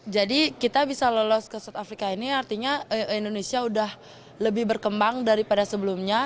jadi kita bisa lolos ke south africa ini artinya indonesia sudah lebih berkembang daripada sebelumnya